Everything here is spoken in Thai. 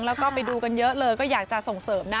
แล้วก็ไปดูกันเยอะเลยก็อยากจะส่งเสริมนะ